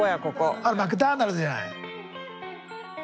あっマクダーナルズじゃない。